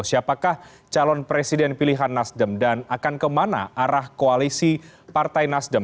siapakah calon presiden pilihan nasdem dan akan kemana arah koalisi partai nasdem